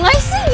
apa yang terjadi